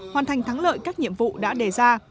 hoàn thành thắng lợi các nhiệm vụ đã đề ra